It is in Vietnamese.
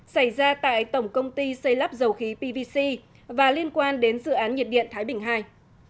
xảy ra tại tổng công ty xây lắp dầu khí pvc và liên quan đến dự án nhiệt điện thái bình ii